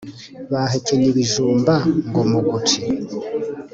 Bahekenye ibijumba ngo muguci